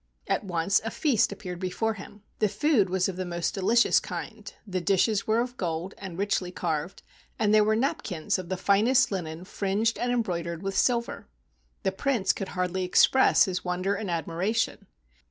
,, At once a feast appeared before him. The food was of the most delicious kind, the dishes were of gold, and richly carved, and there were napkins of the finest linen fringed and embroid¬ ered with silver. The Prince could hardly express his wonder and admiration.